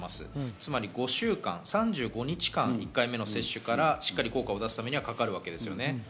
つまり５週間、３５日間、１回目の接種から効果を出すためにはかかるわけです。